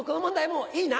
もういいな？